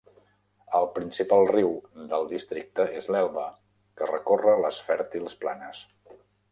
El principal riu del districte és l'Elba, que recorre les fèrtils planes.